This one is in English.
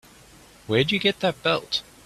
Where'd you get that belt?